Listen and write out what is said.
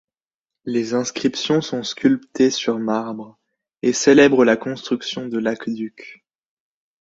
Les inscriptions sont sculptées sur Marbre, et célèbrent la construction de l'aqueduc.